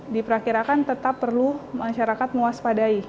diperkirakan tetap perlu masyarakat muas padai